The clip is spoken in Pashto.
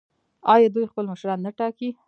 آیا دوی خپل مشران نه ټاکي؟